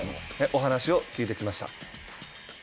お話を聞いてきました。